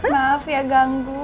maaf ya ganggu